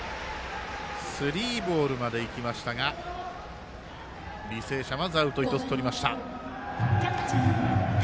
スリーボールまでいきましたが履正社まずアウト１つとりました。